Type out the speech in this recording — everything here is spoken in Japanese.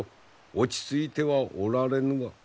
落ち着いてはおられぬわ。